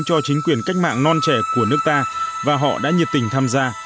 cho chính quyền cách mạng non trẻ của nước ta và họ đã nhiệt tình tham gia